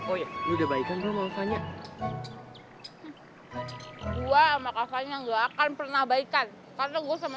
oh ya udah baiknya mau banyak gua makasih nggak akan pernah baikkan karena gue sama